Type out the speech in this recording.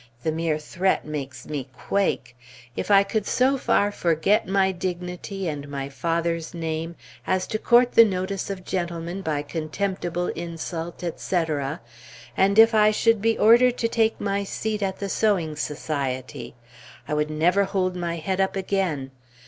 The mere threat makes me quake! If I could so far forget my dignity, and my father's name, as to court the notice of gentlemen by contemptible insult, etc., and if I should be ordered to take my seat at the sewing society !!! I would never hold my head up again!